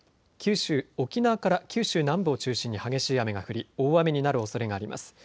沖縄から九州南部を中心に激しい雨が降り大雨になるおそれがあります。